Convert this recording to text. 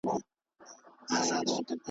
دلته کیسې د شاپېریو د بدریو کېدې .